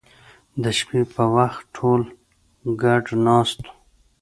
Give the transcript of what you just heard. د شپې په وخت ټول ګډ ناست وو